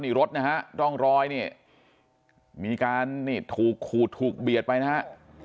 นี่รถนะฮะร่องรอยนี่มีการนี่ถูกขูดถูกเบียดไปนะฮะ